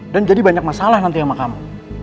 dan jadi banyak masalah nanti sama kamu